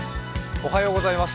おはようございます。